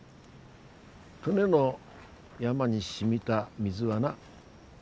登米の山にしみた水はな